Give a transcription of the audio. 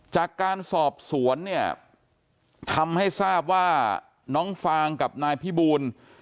จากการสอบสวนเนี่ยทำให้ทราบว่าน้องฟางกับนายพิบูล